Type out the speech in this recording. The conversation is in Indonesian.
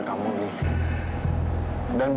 kamu pikir dong